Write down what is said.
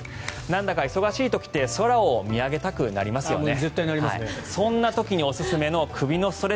なんだか忙しい時って空を見上げたくなりますよね。